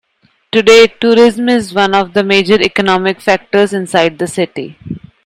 Today, tourism is one of the major economic factors inside the city.